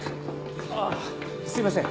ああすいません。